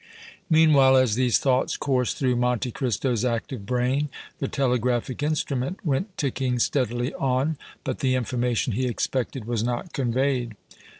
Meanwhile, as these thoughts coursed through Monte Cristo's active brain, the telegraphic instrument went ticking steadily on, but the information he expected was not conveyed.